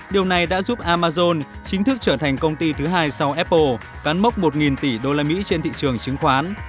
điều này đã giúp amazon chính thức trở thành công ty thứ hai sau apple cán mốc một tỷ usd trên thị trường chứng khoán